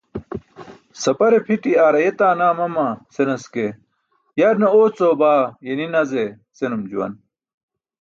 "sapare pʰiṭi̇ aar ayetaa naa mama" senas ke "yarne oocuyabaa ye ni nazee" senum juwan.